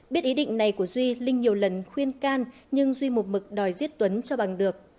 biết ý định này của duy linh nhiều lần khuyên can nhưng duy một mực đòi giết tuấn cho bằng được